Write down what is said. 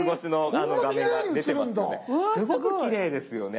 すごくきれいですよね。